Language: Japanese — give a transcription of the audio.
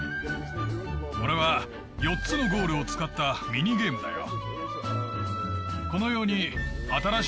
これは４つのゴールを使ったミニゲームだよ。